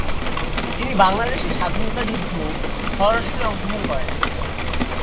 তিনি বাংলাদেশের স্বাধীনতার যুদ্ধ সরাসরি অংশগ্রহণ করেন।